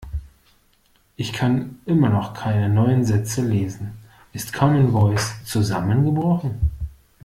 Ich kann immer noch keine neuen Sätze lesen. Ist Commen Voice zusammengebrochen?